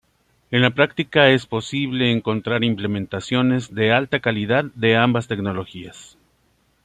En la práctica, es posible encontrar implementaciones de alta calidad de ambas tecnologías.